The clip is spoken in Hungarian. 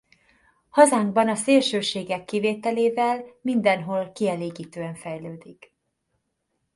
Hazánkban a szélsőségek kivételével mindenhol kielégítően fejlődik.